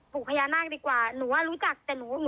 พญานาคดีกว่าหนูว่ารู้จักแต่หนูหนู